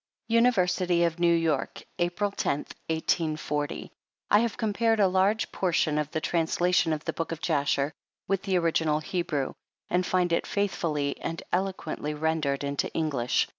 University of New York, April, 10, 1840. 1 have compared a large portion of the translation of the Book of Jasher with the original Hebrew, and find it faithfully and eloquently rendered into English.